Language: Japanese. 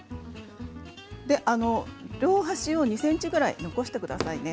両端を、２ｃｍぐらい残してくださいね。